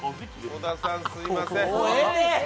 小田さん、すいません。